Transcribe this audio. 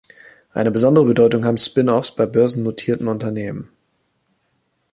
Eine besondere Bedeutung haben Spin-offs bei börsennotierten Unternehmen.